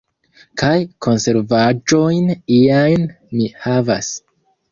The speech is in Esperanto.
Kaj konservaĵojn iajn mi havas.